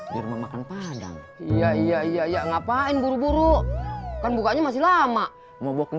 di rumah makan padang iya iya iya ngapain buru buru kan bukanya masih lama mau booking